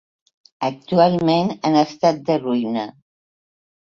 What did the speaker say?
Actualment en estat de ruïna.